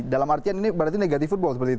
dalam artian ini berarti negatif